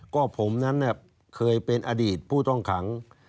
ก็ผมนั้นเคยเป็นอดีตผู้ต้องขัง